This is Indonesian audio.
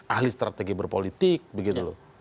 ahli strategi berpolitik begitu loh